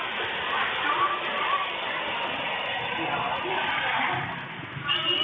แล้วทางสื่อการยังรับเปลี่ยน